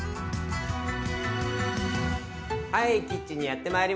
はいキッチンにやってまいりました。